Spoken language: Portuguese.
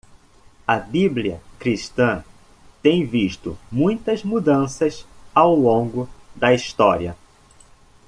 A bíblia cristã tem visto muitas mudanças ao longo da história.